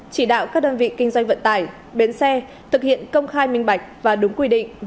chỉ đạo các đơn vị kinh doanh vận tải bến xe thực hiện công khai minh bạch và đúng quy định